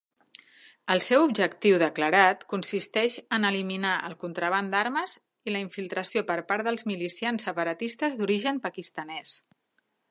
El seu objectiu declarat consisteix en eliminar el contraban d'armes i la infiltració per part dels milicians separatistes d'origen pakistanès.